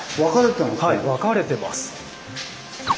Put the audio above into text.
はい分かれてます。